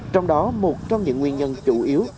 trong đó một trong những nguyên nhân chủ yếu